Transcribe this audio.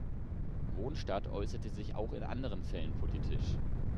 Ronstadt äußerte sich auch in anderen Fällen politisch.